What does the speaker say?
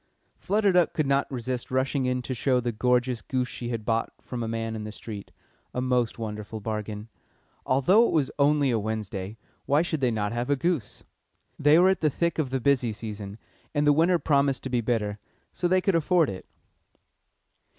Flutter Duck could not resist rushing in to show the gorgeous goose she had bought from a man in the street a most wonderful bargain. Although it was only a Wednesday, why should they not have a goose? They were at the thick of the busy season, and the winter promised to be bitter, so they could afford it.